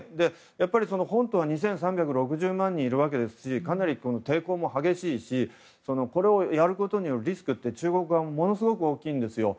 やっぱり本島は２３６０万人いるわけですしかなり抵抗も激しいしこれをやることにリスクが中国側ものすごく大きいんですよ。